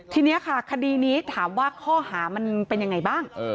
ทีนี้ค่ะคดีนี้ถามว่าข้อหามันเป็นยังไงบ้าง